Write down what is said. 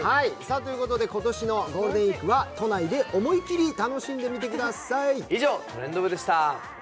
今年のゴールデンウイークは都内で思い切り楽しんでみてください。